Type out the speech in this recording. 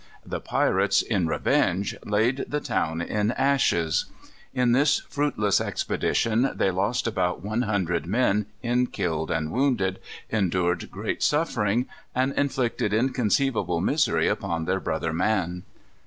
The pirates, in revenge, laid the town in ashes. In this fruitless expedition they lost about one hundred men in killed and wounded, endured great suffering, and inflicted inconceivable misery upon their brother man.